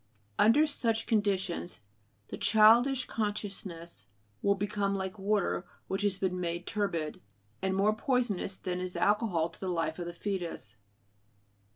Under such conditions the childish consciousness will become like water which has been made turbid, and more poisonous than is alcohol to the life of the foetus.